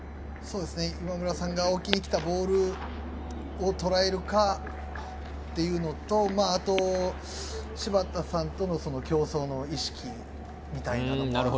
今村さんが置きに来たボールをとらえるかというのと、柴田さんとの競争の意識みたいなのも。